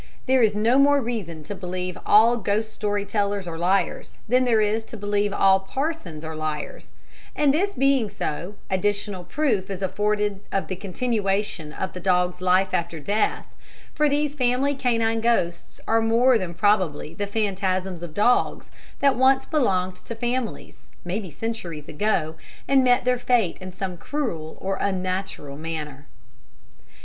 There is no more reason to believe all ghost story tellers are liars, than there is to believe all parsons are liars and this being so, additional proof is afforded of the continuation of the dog's life after death; for these family canine ghosts are more than probably the phantasms of dogs that once belonged to families maybe centuries ago and met their fate in some cruel and unnatural manner.